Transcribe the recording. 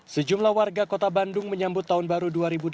sejumlah warga kota bandung menyambut tahun baru dua ribu delapan belas